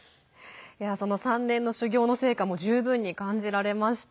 その３年の修業の成果も十分に感じられました。